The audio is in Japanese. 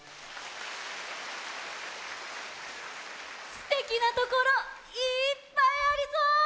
すてきなところいっぱいありそう！